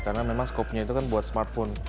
karena memang skopnya itu kan buat smartphone